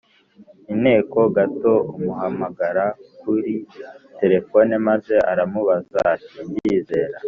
inteko gato amuhamagara kuri terefoni maze aramubaza ati: “Ndizera